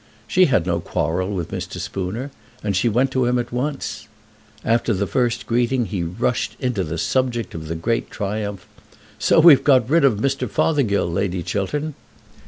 She had no quarrel with Mr. Spooner, and she went to him at once. After the first greeting he rushed into the subject of the great triumph. "So we've got rid of Mr. Fothergill, Lady Chiltern."